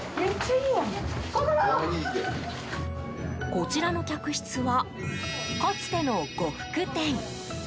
こちらの客室はかつての呉服店。